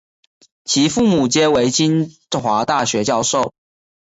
其父母皆为清华大学教授。